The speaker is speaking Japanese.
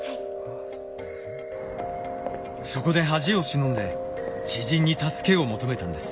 そこで恥を忍んで知人に助けを求めたんです。